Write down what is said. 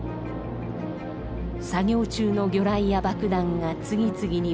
作業中の魚雷や爆弾が次々に爆発。